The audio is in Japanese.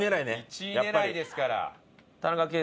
１位狙いですから。